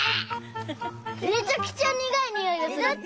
めちゃくちゃにがいにおいがする！